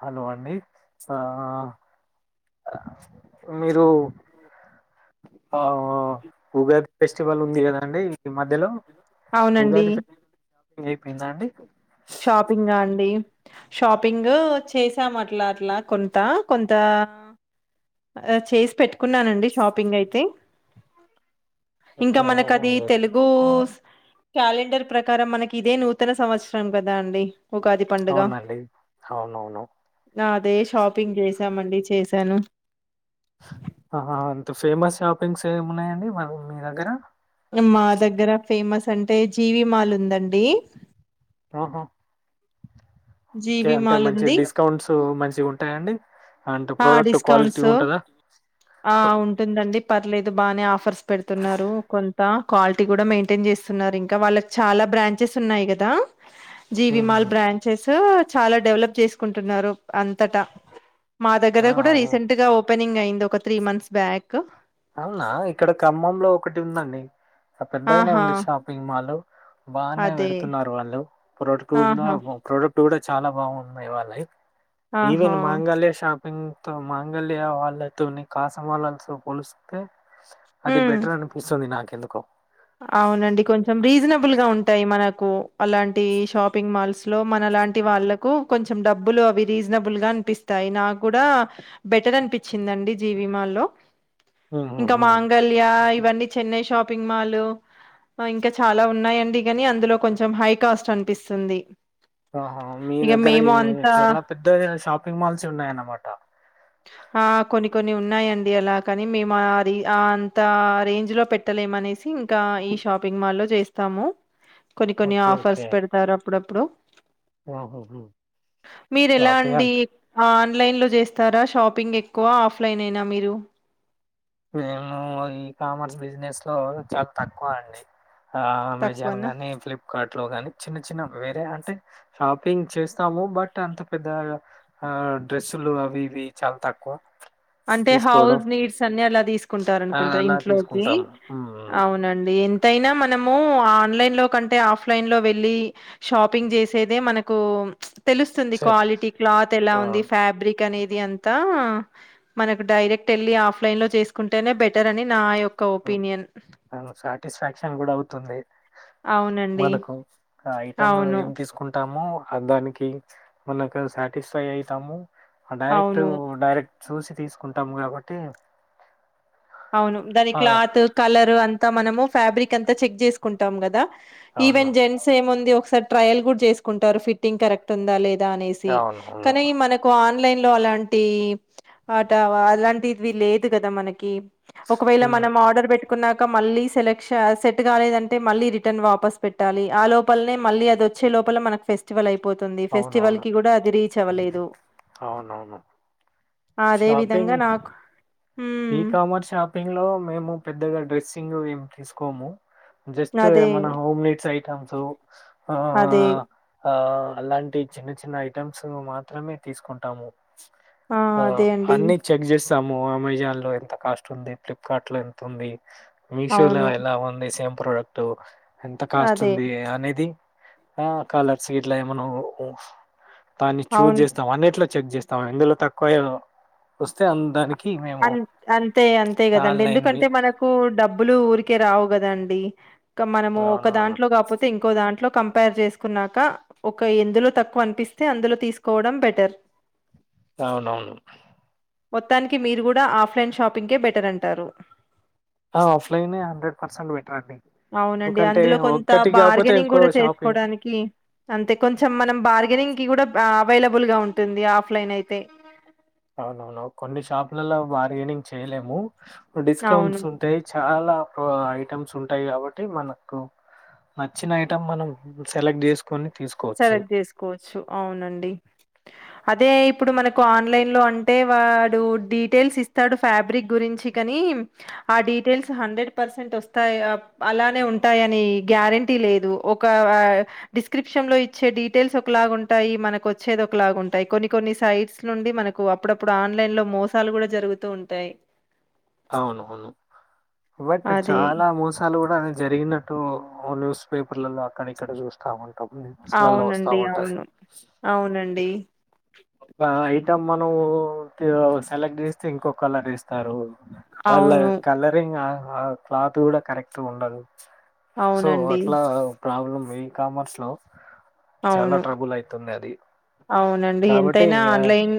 Hello అని ఆ మీరు ఆ ఉగాది ఫెస్టివల్ ఉంది గదండి ఈ మధ్యలో అవునండి. ఉగాది ఫెస్టివల్ పెం దాండి షాపింగా అండి షాపింగ్ చేసాం అట్లా అట్లా కొంత కొంత చేసి పెట్టుకున్నానండి షాపింగ్ అయితే ఇంకా ఓకే, మనకది తెలుగు క్యాలెండర్ ప్రకారం మనకి ఇదే నూతన సంవత్సరం రం గదా అండి ఉగాది పండుగ. అవునండి అవునవును నా అదే షాపింగ్ చేసామండి చేసాను ఆహా అంత ఫేమస్ షాపింగ్స్ ఏమిన్నాయండి మీ దగ్గర మా దగ్గర ఫేమస్ అంటే జీవి మాల్ ఉందండి ఆహా ఓకే జీవి అంటే మాల్ మంచి ఉంది. డిస్కౌంట్స్ మంచి గ్ ఉం టాయా అండి ఆ డిస్కౌంట్స్ ఉంటుందండి పర్లేదు బానే ఆఫర్స్ పెడుతున్నారు కొన్ తా క్వాలిటీ కూడా మెయింటైన్ చేస్తున్నారు ఇంకా వాళ్ళకి చాలా బ్రాంచెస్ ఉన్నాయి కదా జివిమాల్ బ్రాంచెస్ హు చాలా డెవలప్ చేసుకుంటున్నారు అంతటా మా దగ్గర కూడా రీసెంట్ గా ఓపెనింగ్ అయింది ఒకత్ త్రీ మంత్స్ బ్యాక్ అవునా ఇక్కడ ఖమ్మంలో ఒకటి ఉందండి పెద్దగనే ఆహా! ఉంది షాపింగ్ మాల్ బానే అదే. పెడుతున్నారు వాళ్ళు ప్రోక్ట్ నా ఆహా! ప్రోడక్ట్ క్ట్ కూడా చాలా బాగున్నాయి వాళ్ళయి ఆహా! ఈవెన్ మాంగల్య షాప్ ంతో మంగళ్యా వాళ్ళతోని కాసమళల్తో పోలుస్ కే అది హ్మ్. బెటర్ అనిపిస్తుంది నాకి ఎందుకో అవునండి కొంచెం రీజనబుల్ గా ఉంటాయి మనకు అలాంటి షాపింగ్ మాల్స్ లో మనలాంటి వాళ్ళలకు కొంచెం డబ్బులు అవి రీజనబుల్ గా అనిపిస్తాయి నా కూడా బెటర్ అనిపించిందండి జీవిమాల్ లో ఇంకా హుహుహు. మాంగళ్యా ఇవ్ ఇవన్నీ చెన్నై షాపింగ్ మాల్ ల్ ఇంకా చాలా ఉన్నాయండి కానీ అందులో కొంచెం హై కాస్ట్ అనిపిస్తుంది ఆహా మీ ఇగ దగ్గర మేము ఏ అంతా చాలా పెద్ద షాపింగ్ మాల్స్ ఉన్నాయ అన్నమాట ఆ! కొన్ని కొన్ని ఉన్నాయండి అలా కాని మేము అది ఆ అంత రేంజ్ లో పెట్టలేము అనేసి ఇంకా ఈ షాపింగ్ మాల్ లో చేస్తాము కొన్ని కొన్ని ఓకే. Offers okay. పెడతారు అప్పుడప్పుడు హుహుహు. మీరు ఎలా షాపింగ్ అండి ఆన్లైన్లో చేస్తారా షాపింగ్ ఎక్కువ ఆఫ్లైన్ ఏనా మీరు మేము ఈ కామర్స్ బిజినెస్ లో చాలా తక్కువ అండి ఆ అమెజాన్ తక్కువనా గానీ ఫ్లిప్కార్ట్ లో గాని చిన్న చిన్న వేరే అ టే షాపింగ్ చేస్తాము బట్ అంత పెద్ద ఆ డ్రెస్సులు అవి ఇవి చాలా తక్కువ అంటే తీసుకోవడం హౌస్ నీడ్స్ అని నెల నెల తీసుకుంటారు ఆ అనుకుంట అలా ఇంట్లోకి తీసుకుంటాము ఉమ్ అవునండి ఎత్తయినా మనము ఆన్లైన్ లో కంటే ఆఫ్లైన్ లో వెళ్ళి షాపింగ్ చేసేదే మనకు తెలుస్తుంది చెప్ క్వాలిటీ క్లాత్ ఎలా ఆ ఉంది ఫ్యాబ్రిక్ అనేది అంతా మనకు డైరెక్ట్ వెళ్లి ఆఫ్ లైన్ లో చేసుకుంటేనే బెటర్ అని నా యొక్క ఒపీనియన్ సాటిస్ఫాక్షన్ కూడా అవుతుంది అవునండి మనకు ఆ ఐటమ్ అవును ఏమి తీసుకుంటామో దానికి మనకు సాటిస్ఫై అయితాము డైరెక్ట్ అవును డైరెక్ట్ చూసి తీసుకుంటాము కాబట్టి అవును దనికి ఆ క్లాత్ కలరు అంత మనము ఫ్యాబ్రిక్ అంతా చెక్ చేసుకుంటాం కదా ఈవెన్ అవును జెంట్స్ ఏము ఉంది ఒక సార్ ట్రయల్ కూడా చేసుకుంటారు ఫిట్టింగ్ కరెక్ట్ ఉందా లేదా అనేసి అవునవును. కానీ మనకు ఆన్లైన్ లో అలాంటి ఆట అలాంటివి లేదు కదా మనకి ఒకవేళ హ్మ్. మనం ఆర్డర్ పెట్టు క మళ్ళీ సెలక్షన్ సెట్ కాలేదంటే మళ్ళీ రిటర్న్ వాపస్ పెట్టాలి ఆ లోపలనే మళ్ళీ అది వచ్చే లోపల మనకి ఫెస్టివల్ అయిపోంది పోతుంది ఫెస్టివల్ అవునవును. కి కూడా అది రీచ్ అవ్వలేదు అవునవును. అదే విధంగా నాకు హ్మ్. ఇకామర్స స్ప్పంగ్ లో మేము పెద్దగా డ్రెస్సింగ్ ఏమి తీసుకోము జస్ట్ అదే ఏమన్నా హోమ్ మీట్స్ అయి అ అదే ఆ అలాంటి చిన్న చిన్న ఐటమ్స్ మాత్రమే తీసుకుంటాము ఆ అదే అండి. అన్నీ చెక్ చేసి సమో అమెజాన్ లో ఎంత కాస్ట్ ఉంది ఫ్లిప్కార్ట్ లో ఎంత ఉంది మీషోలో అవును. ఎలా ఉంది సేమ్ పొడక్ట్ తో ఎంత కాస్ట్ అదే. ఉంది అనేది ఆ కలర్స్ ఇట్లా ఏమన దాన్ని చూజ్ అవును. చేస్తాం అన్నిట్లో చెక్ చేస్తా తం ఎందులో తక్కువయ్య వస్తే అ దానికి మేము అన్ అంతే అంతే కదండి ఆన్లైన్ ఎందుకంటే మనకు డబ్బులు ఊరికే రావు కదాండి ఇ మనము ఒక అవునవును దాంట్లో కాకపోతే ఇంకో దాంట్లో కంపేర్ చేసుకున్నాక, ఒక ఎందులో తక్కువ అనిపిస్తే అందులో తీసుకోవడం బెటర్ అవునవును మొత్తానికి మీరు కూడా ఆఫ్లైన్ షాపింగ్కే బెటర్ అంటారు ఆఫలైన్ హండ్రెడ్ పసెట్ బెటర్ అండి అవునండి ఎందుకంటే అందులో కొంత ఒక్కటి కాకపోతే బార్గెనింగ్ ఎక్కువ కూడా షాపింగ్ చేసుకోడానికి, అంతే కొంచెం మనం బార్గెనింగ్ కూడా అవైలబుల్ గా ఉంటుంది ఆఫ్లైన్ అయితే అవునవును కొన్ని షాపులలో బార్గెనింగ్ చేయలేము అవును. డిస్కౌంట్స్ ఉంటాయి చాలా ఐటమ్స్ ఉంటాయి కాబట్టి మనకు నచ్చిన ఐటెమ్ మనం సెలెక్ట్ చేసుకొని తీసుకోవచ్చు సెలెక్ట్ చేసుకోవచ్చు అవునండి అదే ఇప్పుడు మనకు ఆన్లైన్ లో అంటే వాడు డీటెయిల్స్ ఇస్తాడు ఫాబ్రిక్ గురించి కాని, ఆ డీటెల్స్ హండ్రెడ్ పర్సెంట్ వస్తాయి అలానే ఉంటాయని గ్యారెంటీ లేదు ఒక డిస్క్రిప్ విష లో ఇచ్చే డీటెయిల్స్ ఒకలాగా ఉంటాయి, మనకు వచ్చేది ఒకలాగా ఉంటాయి, కొన్ని కొన్ని సైట్స్ నుండి మనకు అప్పుడప్పుడు ఆన్లైన్ లో మోసాలు కూడా జరుగుతూ ఉంటాయి. అవునువును బట్ అదే. చాలా మోసాలు కూడా జరిగినట్టు ఓ న్యూస్ పేపర్లలో అక్కడ ఇక్కడ చూస్తాము అవునండి అవును అవునండి యి ఐ మనం సెలెక్ట్ చేస్తే ఇంకొ కలర్ ఇస్తారు అలా అవును. కలరింగ్ ఆ క్లాత్ కూడా కరెక్ట్ ఉండదు సో అవునండి. అట్లా ప్రాబ్లం ఈ కామర్స్లో చాలా అవును. ట్రబుల్ అయితుంది అది అండి కాబట్టి ఎంతైనా ఆన్లైన్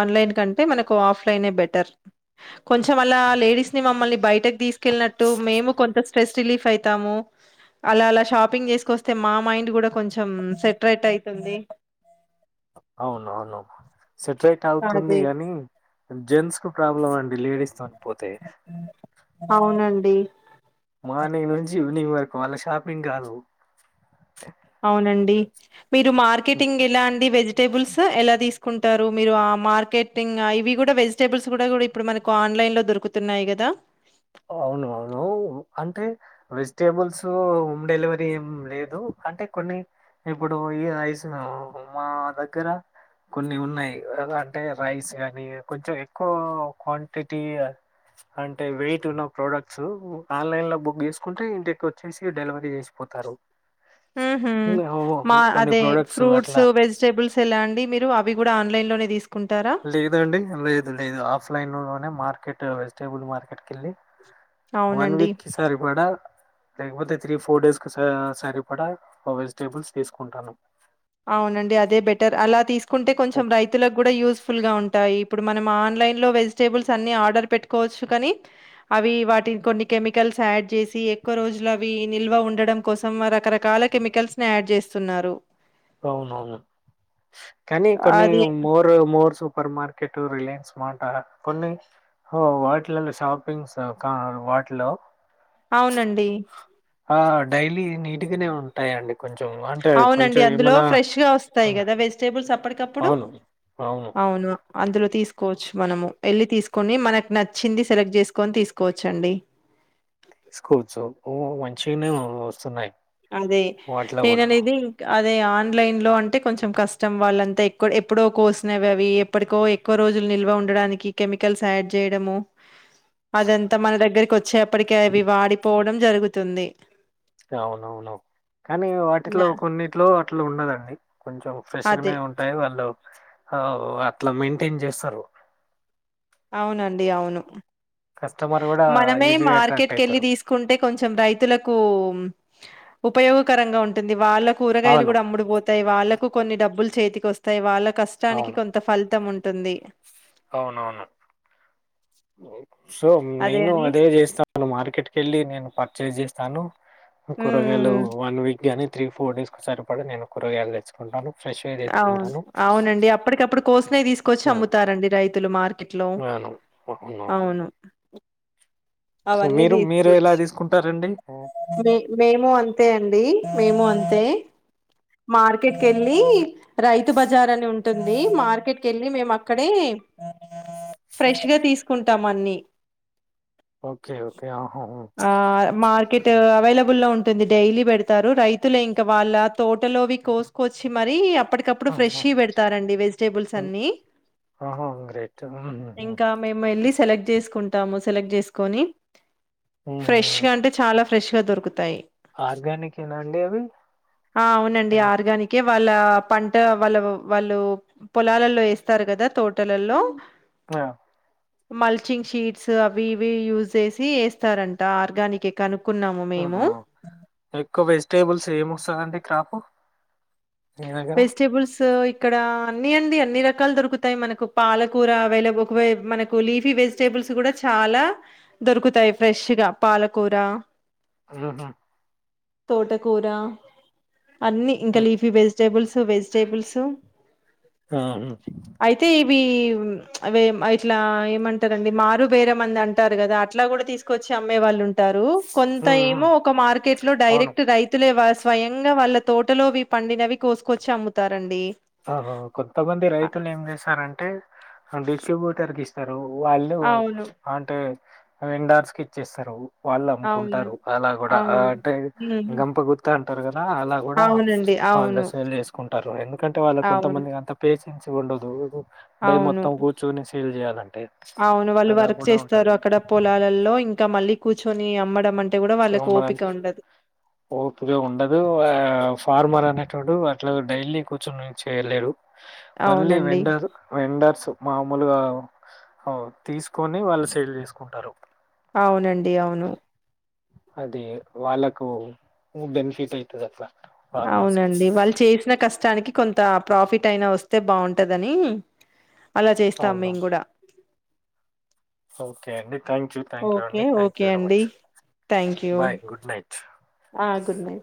ఆన్లైన్ కంటే మనకు ఆఫ్లైన్ బెటర్ కొంచెం అల్ల లేడీస్ ని మమ్మల్ని బయటకీ తీసుకెళ్ళినట్టు మేము కొంత స్ట్రెస్ రిలీఫ్ అవుతాము అలా అలా షాపింగ్ చేసుకొస్తే మా మైండ్ కూడా కొంచెం సెట రేట్ అయితుంది అవునవును సెటరైట్ అవుతుంది అదే. గాని జెన్స్ కు ప్రాబ్లం అండి లేడిస్ తో పోతే అవునండి. మార్నింగ్ నుంచి వాళ్ళ షాపింగ్ కాదు అవునండి మీరు మార్కెటింగ్ ఎలా అండి వెజి వెజిటబుల్స్ ఎలా తీసుకుంటారు. మీరు ఆ మార్కెటింగ్ ఇవి కూడా వెజిటేబుల్స్ కూడా ఇప్పుడు మనకు ఆన్లైన్ లో దొరుకుతున్నాయి కదా. అవును అవును అంటే వెజిటేబుల్స్ హోమ్ డెలివరీ ఏం లేదు. అంటే కొన్ని ఇప్పుడు ఈ రైస్ మా దగ్గర కొన్ని ఉన్నాయి. అంటే రైస్ కానీ కొంచెం ఎక్కువ క్వాంటిటీ అంటే వెయిట్. న్న ప్రోడక్ట్స్ ఆన్లైన్ లో బుక్ చేసుకుంటే, ఇంటికి వచ్చేసి డెలివరీ చేసిపోతారు. ఉహు మా అదే ప్రోడక్ట్స్ ఫ్రూట్స్ అట్లా వెజిటేబుల్స్ ఎలాండి మీరు అవి కూడా ఆన్లైన్ లోనే తీసుకు లేదండి లేదు లేదు ఆఫ లైన్ లోనే మార్కెట్ వెజిటేబుల్ మార్కెట్ వన్ అవునండి. వీక్ కి సరిపడా లేకపోతే త్రీ ఫోర్ డేస్ కు సరిపడా వెజిటేబుల్స్ తీసుకుంటాను. అవునండి అదే బెటర్ అలా తీసుకుంటే కొంచెం రైతులకు కూడా యూజ్ ఫుల్ గా ఉంటాయి. ఇప్పుడు మనం ఆన్లైన్ లో వెజిటేబుల్స్ అన్ని ఆర్డర్ పెట్టుకోవచ్చు కాని, అవి వాటిని కొన్ని కెమికల్స్ యాడ్ చేసి, ఎక్కువ రోజులు అవి నిల్వ ఉండడం కోసం, రకరకాల కెమికల్స్ ని యాడ్ చేస్తున్నారు. అవునవును కానీ కొన్ని అది More Morse super market, Reliance, మాట కొన్ని వాటిలో షాపింగ్స్ వాటిలో అవునండి ఆ డైలీ నీటిగనే ఉంటాయిండి అవునండి అందులో ఫ్రెష్ గా వస్తాయి కదా వెజిటేబుల్స్ అప్పటి అప్పుడు అవును అవును అందులో తీసు కోవచ్చు మనము వెళ్ళి తీసుకొని మనకు నచ్చింది సెలెక్ట్ చేసుకొని తీసుకోవచ్చ అండి. చైనేమో వస్తున్నాయి అదే వాటిలో కూడా ఏదన్నైతే ఇంకా అదే ఆన్లైన్ లో అంటే కొంచెం కష్టం వాళ్ళంతా ఎ ఎప్పుడో కోసినవి అవి. ఎప్పటికో ఎక్కువ రోజులు నిల్వ ఉండడానికి కెమికల్స్ యాడ్ చేయడము. అదంతా మన దగ్గరకి వచ్చ చేపటికి అవి వాడిపోవడం జరుగుతుంది అవునవును కానీ న వాటిలో కొన్నింటిలో అట్లా ఉండదండి. కొంచెం ఫ్రెష్ అదే గనే ఉంటాయి వాళ్ళు అ అట్లా మెయింటైన్ చేస్తారు. అవునండి అవును కస్టమర్ కూడా మనమే ఈజీగా అట్రాక్ట్ మార్కెట్కి వెళ్ళి అవుతారు తీసుకుంటే కొంచెం రైతులకు ఉపయోగకరంగా ఉంటుంది. వాళ్ళ కూరగాయలు అవును కూడా అమ్ముడుపోతాయి. వాళ్ళ కూ కొన్ని డబ్బులు చేతికి వస్తాయి వాళ్ళ కష్టానికి అవును కొంత ఫలితం ఉం ఉంటుంది అవునవును సో నేను అదే చేస్తాను మార్కెట్కి వెళ్ళి నేను పర్చేస్ చేస్తాను కూరగాయలు హ్మ్. వన్ వీక్ కి గాని త్రీ ఫోర్ డేస్ కు సరిపడా నేను కూరగాయలు తెచ్చుకుంటాను ఫ్రెష్గా అవును తెచ్చుకుంటాను అవునండి అప్పటికప్పుడు కోసినవి తీసుకొచ్చి ఆ, అమ్ముతారండి రైతు రైతులు మార్కి మార్కెట్లో అవును అవునవును అవును సో మీరు మీరు ఎలా తీసుకుంటారు మేమ్ మేము అంతే అండి మేము అంతే మార్కెట్ కి ఉమ్, వెళ్ళి రైతు బజార్ అని ఉం ఉంటుంది మార్కెట్కి వెళ్ళి మేము అక్కడే ఫ్రెష్ గా తీసుకుంటాం అన్ని ఓకే ఓకే ఆహా, ఉమ్, ఆ మార్కెట్ అవైలబుల్ లో ఉం ఉంటుంది డైలీ పెడతారు రైతులే ఇంకా వాళ్ళ తోటలోవి కోసుకొచ్చి మరి అప్పటికప్పుడు ఫ్రెష్ ఆహా, గా పెడతారండి వెజిటేబుల్స్ ఉమ్. అన్ని ఆహా! గ్రేట్. హుహుహు. ఇంకా మేము వెళ్ళి సెలెక్ట్ చేసుకుం దాము సెలెక్ట్ చేసుకొని ఫ్రెష్ గా అంటే చాలా ఫ్రెష్ గా దొరుకుతాయి ఆర్గానిక్ ఏనా అండి అవి ఆ అవునండి ఆర్గానికే వాళ్ళ పంట వాళ్ళ వాళ్ళు పొలాలలో వేస్తారు కదా తోటలలో ఆ మల్చింగ్ షీట్స్ అవి ఇవి యూస్ చేసి వేస్తారంట ఆర్గానికే కను ఆహా ఎక్కువ వెజిటేబుల్స్ ఏమి వస్తాయి అండి క్రాపు మీ దగ్గర? వెజిటేబుల్స్ ఇక్కడ అన్ని అండి అన్ని రకాలు దొరుకుతాయి మనకు పాలకూర అవైల ఒక మనకు లీఫీ వెజిటేబుల్స్ కూడా చాలా దొరుకుతాయి ఫ్రెష్ గా పాలకూర ఊహూ తోటకూర అన్నీ ఇంకా హ్మ్. లీఫీ బేస్ టేబుల్సు వెజిటేబుల్సు ఆ అే ఇట్లా ఏమంటారండి మారు వేరే మంది అంటారు కదా అట్లా కూడా తీసుకొచ్చి అమ్మే వాళ్ళు ఉంట కొంత హ్మ్. హ్మ్. ఏమో ఒక మార్కెట్ లో అవును. డైరెక్ట్ రైతులే స్వయంగా వాళ్ళ తోటలోవి పండినవి కోసుకొచ్చి అమ్ముతారండి అహో కొంతమంది అ రైతులు ఏం చేశారంటే అంటే డిస్ట్రిబ్యూటర్ తీస్తారు వాళ్ళు అవును అంటే ఎండార్స్ కి ఇచ్చేస్తారు వాళ్ళు అవును అమ్ముకుంటారు అలా కూడా అవును అంటే ఉమ్ గంప గుత్త అంటే తర్గ అలా కూడా అవునండి అవును హాలిడేస్ వెళ్ళ చేసుకుంటారు ఎందుకు కంటే వాళ్ళ అవును కొంతమంది అంత బచెన్స ఉండదు డే అవును మొత్తం కూర్చొని సేల్ జేయాలంటే అవును వాళ్ళు అలా వర్క్ గూడా చేస్తారు ఉంటది. అక్కడ పొలాలలో ఇంకా మళ్ళీ కూర్చొని అమ్మడమంట తు ఉండదు ఆ ఫార్మర్ అనే అోడు అట్లా డైలీ కూర్చొనియలేరు మళ్ళీ అవునండి వెండారు వెండర్సు మామూలుగా అ తీసుకొని వాళ్ళు సేల్ చేసుకుంటారు అవునండి అవును అదే వాళ్ళకుఊ బనిఫిట్ అయితుది అప్ప అవునండి వాళ్ళు చేసిన కష్టానికి కొంత అంత ప్రాఫిట్ అయినా వస్తే బాగుంటదని అలా చేస్తాం మేము అవునవును. కూడా ఓకే అండి thank you thank you okay. అండి థ్యాంక్ యూ ఓకే వెరీ అండి. Much thank you. Bye good night ఆ! Good night.